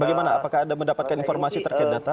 bagaimana apakah anda mendapatkan informasi terkait data